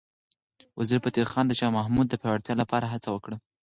وزیرفتح خان د شاه محمود د پیاوړتیا لپاره هڅه وکړه.